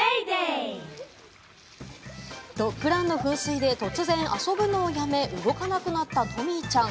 ドッグランの噴水で突然遊ぶのをやめ、動かなくなったトミーちゃん。